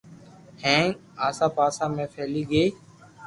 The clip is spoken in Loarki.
ھینگ آسا پاسا ۾ ڦیھلِي گئي